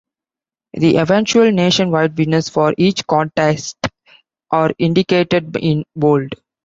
The eventual nationwide winners for each contest are indicated in bold.